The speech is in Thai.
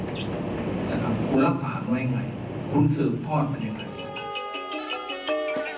คุณสืบทอดมันอย่างไร